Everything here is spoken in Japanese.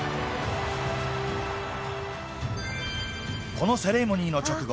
このセレモニーの直後